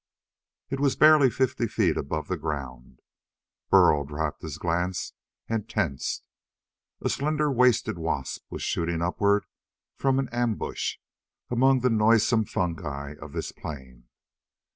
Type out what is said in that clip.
It was barely fifty feet above the ground. Burl dropped his glance and tensed. A slender waisted wasp was shooting upward from an ambush among the noisome fungi of this plain.